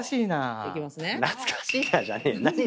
「懐かしいな」じゃねえよ。